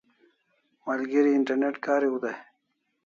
Malgeri internet kariu dai